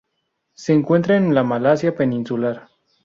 Se encuentra en la Malasia peninsular.